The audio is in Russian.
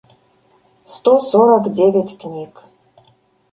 сто сорок девять книг